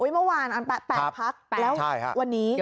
เมื่อวาน๘พักแล้ววันนี้